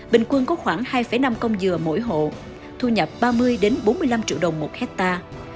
bình quân có khoảng hai năm công dừa mỗi hộ thu nhập ba mươi bốn mươi năm triệu đồng một hectare